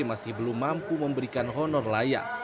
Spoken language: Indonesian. masih belum mampu memberikan honor layak